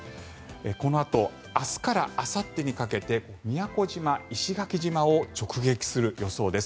このあと明日からあさってにかけて宮古島、石垣島を直撃する予想です。